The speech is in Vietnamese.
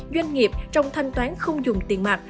doanh nghiệp trong thanh toán không dùng tiền mặt